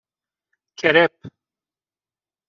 کرپ